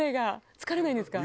疲れないんですか？